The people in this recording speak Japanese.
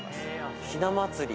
ひな祭り。